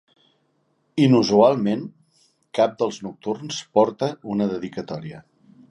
Inusualment, cap dels nocturns porta una dedicatòria.